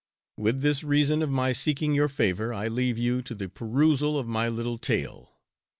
With this reason of my seeking your favor, I leave you to the perusal of my little tale.